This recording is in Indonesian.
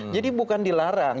jadi bukan dilarang